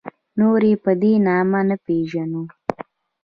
نور یې په دې نامه نه پېژنو.